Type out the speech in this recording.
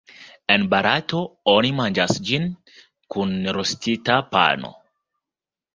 En Barato, oni manĝas ĝin kun rostita pano.